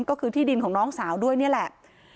ก็คือที่ดินของน้องสาวด้วยนี่แหละ